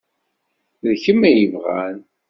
D kemm i yebɣan.